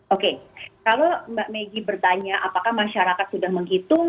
oke kalau mbak megi bertanya apakah masyarakat sudah menghitung